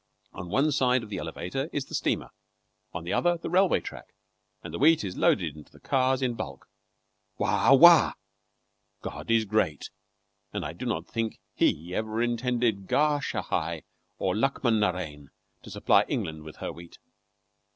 On one side of the elevator is the steamer, on the other the railway track; and the wheat is loaded into the cars in bulk. Wah! wah! God is great, and I do not think He ever intended Gar Sahai or Luckman Narain to supply England with her wheat.